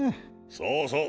そうそう！